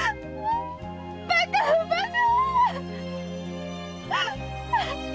バカバカ！